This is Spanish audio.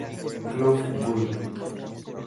Club; Bull.